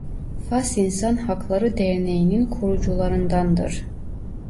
Fas İnsan Hakları Derneği'nin kurucularındandır.